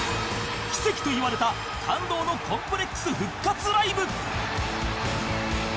奇跡といわれた感動の ＣＯＭＰＬＥＸ 復活ライブ！